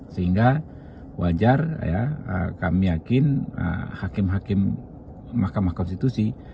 sehingga wajar ya kami yakin hakim hakim mahkamah konstitusi